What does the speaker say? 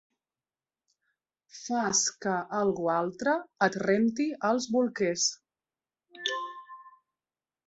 Fas que algú altre et renti els bolquers.